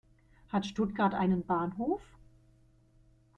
Hat Stuttgart einen Bahnhof?